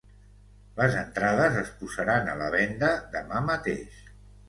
Les entrades es posaran a la venda demà mateix.